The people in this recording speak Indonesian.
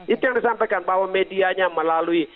itu yang disampaikan bahwa medianya melalui